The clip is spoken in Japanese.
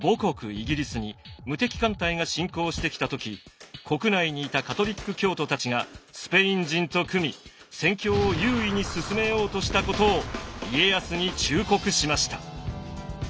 イギリスに無敵艦隊が侵攻してきた時国内にいたカトリック教徒たちがスペイン人と組み戦況を優位に進めようとしたことを家康に忠告しました。